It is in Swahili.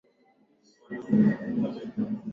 ende mbali saa kumi na mbili jioni rudi nasi hapa